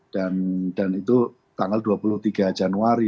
dan itu tanggal dua puluh tiga januari